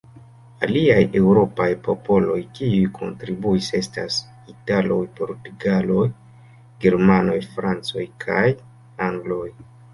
Aliaj eŭropaj popoloj kiuj kontribuis estas: italoj, portugaloj, germanoj, francoj kaj angloj.